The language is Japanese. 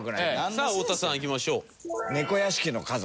さあ太田さんいきましょう。